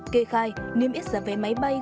kê khai niêm yết giá vé máy bay